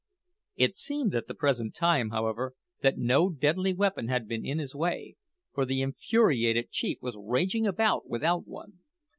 It seemed at the present time, however, that no deadly weapon had been in his way, for the infuriated chief was raging about without one.